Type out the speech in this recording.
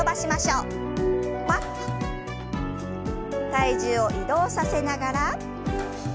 体重を移動させながら。